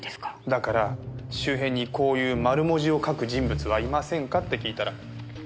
だから周辺にこういう丸文字を書く人物はいませんかって聞いたら。